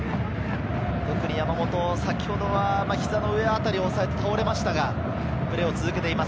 特に山本、先ほどは膝の上辺りを押さえて倒れましたが、プレーを続けています。